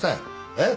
えっ？